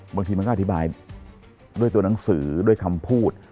บางทีมันก็อธิบายด้วยตัวหนังสือด้วยคำพูด